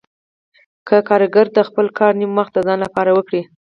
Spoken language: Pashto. که کارګران د خپل کار نیم وخت د ځان لپاره وکړي